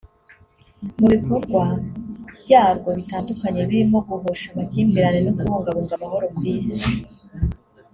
mu bikorwa byarwo bitandukanye birimo guhosha amakimbirane no kubungabunga amahoro ku isi